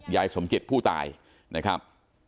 ยายสมเจ็ดผู้ตายนะครับ